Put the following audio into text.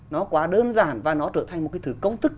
nó quá đơn giản và nó trở thành một cái thứ công thức